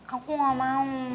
aku gak mau